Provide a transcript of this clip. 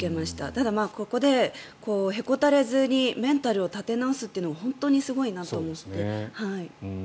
ただ、ここでへこたれずにメンタルを立て直すというのも本当にすごいなと思って。